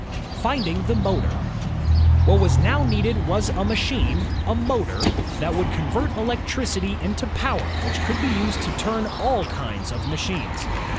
Finding the Motor What was now needed was a machine, a motor, that would convert electricity into power which could be used to turn all kinds of machines.